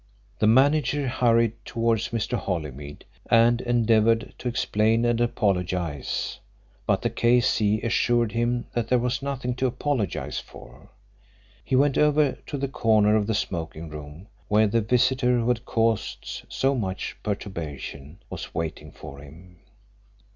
The manager hurried towards Mr. Holymead and endeavoured to explain and apologise, but the K.C. assured him that there was nothing to apologise for. He went over to the corner of the smoking room, where the visitor who had caused so much perturbation was waiting for him.